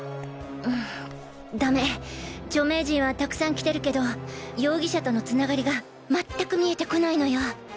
うんダメ著名人はたくさん来てるけど容疑者とのつながりがまったく見えてこないのよ。